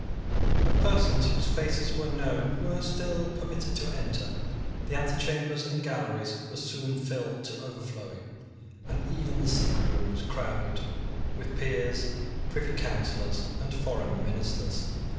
But persons whose faces were known were still permitted to enter. The antechambers and galleries were soon filled to overflowing; and even the sick room was crowded with peers, privy councillors, and foreign ministers.